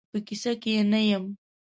په کیسه کې یې نه یم.